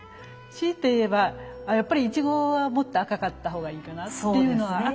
強いて言えばやっぱりイチゴはもっと赤かった方がいいかなっていうのは。